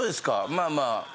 まあまあ。